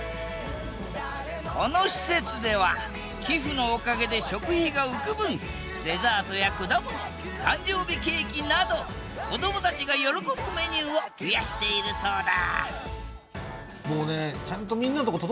この施設では寄付のおかげで食費が浮く分デザートや果物誕生日ケーキなど子どもたちが喜ぶメニューを増やしているそうだ